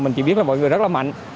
mình chỉ biết là mọi người rất là mạnh